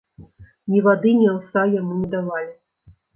Ні вады, ні аўса яму не давалі.